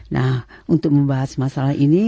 nah untuk membahas masalah ini